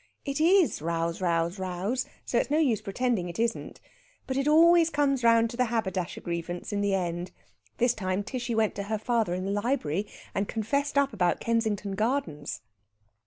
It is rows, rows, rows, so it's no use pretending it isn't. But it always comes round to the haberdasher grievance in the end. This time Tishy went to her father in the library, and confessed up about Kensington Gardens."